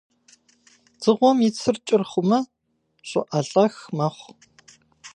Дзыгъуэм и цыр кӀыр хъумэ, щӀыӀэлӀэх мэхъу.